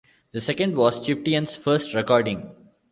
The second was the Chieftains first recording.